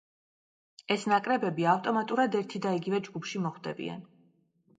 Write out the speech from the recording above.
ეს ნაკრებები ავტომატურად ერთი და იგივე ჯგუფში მოხვდებიან.